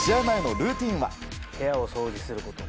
部屋を掃除すること。